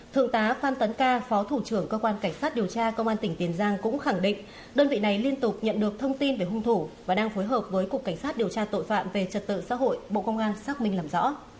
thượng tá phan tấn ca phó thủ trưởng cơ quan cảnh sát điều tra công an tỉnh tiền giang cũng khẳng định đơn vị này liên tục nhận được thông tin về hung thủ và đang phối hợp với cục cảnh sát điều tra tội phạm về trật tự xã hội bộ công an xác minh làm rõ